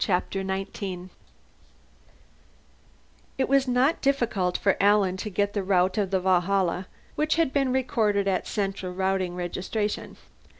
Chapter Nineteen It was not difficult for Alan to get the route of the Valhalla, which had been recorded at Central Routing Registration.